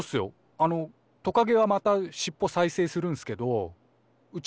あのトカゲはまたしっぽ再生するんすけどうち